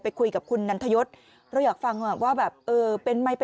ไปคุยกับคุณนันทยศเราอยากฟังว่าแบบ